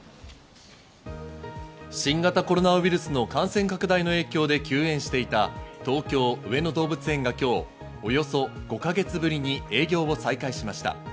新型コロナウイルスの感染拡大の影響で休園していた東京・上野動物園が今日、およそ５か月ぶりに営業を再開しました。